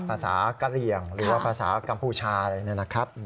ภาษากะเหลี่ยงหรือว่าภาษากัมพูชาอะไรเนี่ยนะครับ